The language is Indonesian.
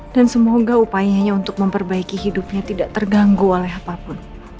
dan semoga upayanya untuk memperbaiki hidupnya tidak terganggu oleh apapun